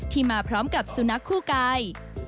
มาพร้อมกับสุนัขคู่กาย